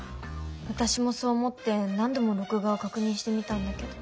私もそう思って何度も録画を確認してみたんだけど。